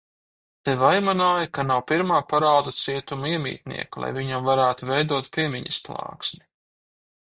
Te vaimanāja, ka nav pirmā parādu cietuma iemītnieka, lai viņam varētu veidot piemiņas plāksni.